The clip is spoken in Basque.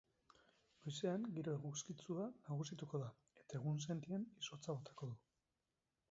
Goizean giro eguzkitsua nagusituko da eta egunsentian izotza botako du.